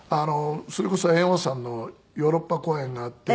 それこそ猿翁さんのヨーロッパ公演があって。